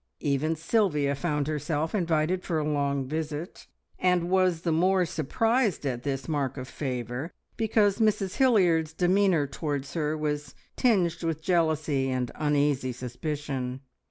Even Sylvia found herself invited for a long visit, and was the more surprised at this mark of favour because Mrs Hilliard's demeanour towards her was tinged with jealousy and uneasy suspicion.